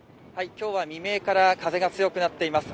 今日は未明から風が強くなっています